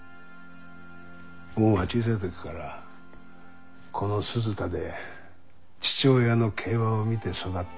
ボンは小さい時からこの鈴田で父親の競馬を見て育った。